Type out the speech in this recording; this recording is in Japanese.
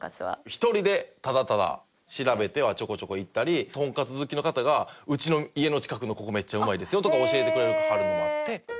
一人でただただ調べてはちょこちょこ行ったりトンカツ好きの方が「うちの家の近くのここめっちゃうまいですよ」とか教えてくれはるのもあって。